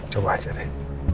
coba aja deh